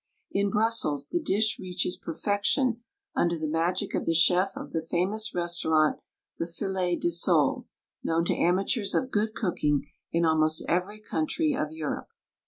In Brussels the dish reaches perfection under the magic of the chef of the famous res taurant the "Filet de Sole," known to amateurs of good cooking in almost every country of Europe.